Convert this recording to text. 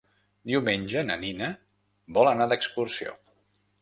Diumenge na Nina vol anar d'excursió.